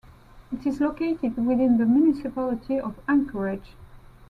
It is located within the Municipality of Anchorage.